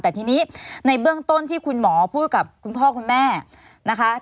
แต่ทีนี้ในเบื้องต้นที่คุณหมอพูดกับคุณพ่อคุณแม่นะคะ